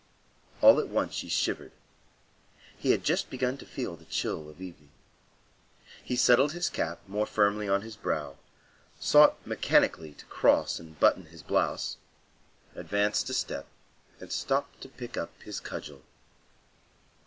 All at once he shivered; he had just begun to feel the chill of evening. He settled his cap more firmly on his brow, sought mechanically to cross and button his blouse, advanced a step and stopped to pick up his cudgel.